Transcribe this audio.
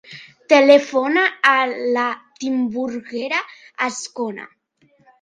Telefona a la Timburguera Azcona.